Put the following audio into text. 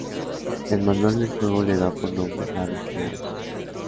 El manual del juego le da por nombre "Labios poderosos".